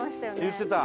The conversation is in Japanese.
言ってた。